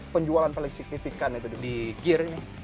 penjualan paling signifikan itu di gear ini